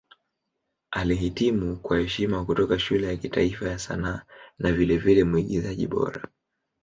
Alihitimu kwa heshima kutoka Shule ya Kitaifa ya Sanaa na vilevile Mwigizaji Bora.